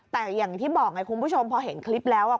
แต่อย่างที่บอกไงคุณผู้ชมพอเห็นคลิปแล้ว